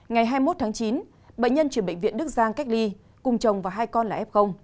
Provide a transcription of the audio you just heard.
ngày hai mươi một tháng chín bệnh nhân chuyển bệnh viện đức giang cách ly cùng chồng và hai con là f